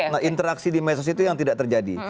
nah interaksi di medsos itu yang tidak terjadi